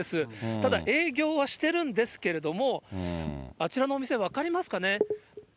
ただ、営業はしてるんですけれども、あちらのお店分かりますかね。